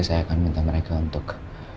silahkan mbak mbak